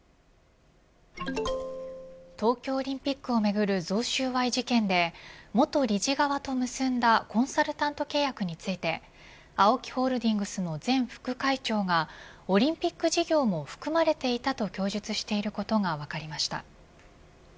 東京オリンピックをめぐる贈収賄事件で元理事側と結んだコンサルタント契約についてＡＯＫＩホールディングスの前副会長がオリンピック事業も含まれていたと供述していることが分かりました。